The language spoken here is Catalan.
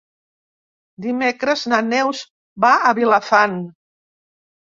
Dimecres na Neus va a Vilafant.